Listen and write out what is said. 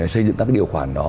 xây dựng các điều khoản đó